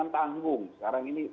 tanggung sekarang ini